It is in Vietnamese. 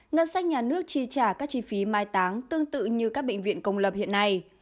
ngân sách nhà nước chi trả các chi phí mai táng tương tự như các bệnh viện công lập hiện nay